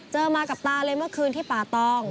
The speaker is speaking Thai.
มากับตาเลยเมื่อคืนที่ป่าตอง